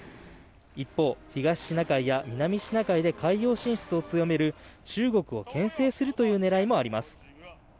一方、東シナ海や南シナ海で海洋進出を強める中国をけん制するという狙いもあります。